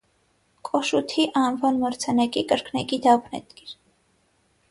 Կոշութի անվան մրցանակի կրկնակի դափնեկիր։